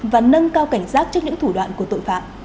và nâng cao cảnh giác trước những thủ đoạn của tội phạm